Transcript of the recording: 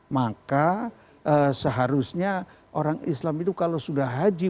maka seharusnya orang islam itu kalau sudah haji